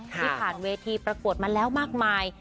ที่ผ่านเวทีประกวดมาแล้วมากมาย